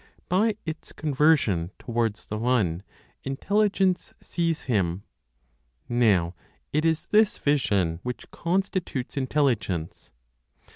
By its conversion towards the One, Intelligence sees Him; now it is this vision which constitutes Intelligence.